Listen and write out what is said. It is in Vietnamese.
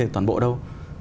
toàn bộ đâu